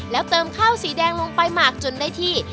แล้วเติมข้าวสีแดงลงไปหมักจนได้ที่